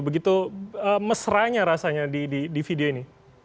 begitu mesranya rasanya di video ini